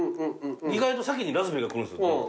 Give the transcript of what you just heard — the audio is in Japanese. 意外と先にラズベリーが来るんですよね。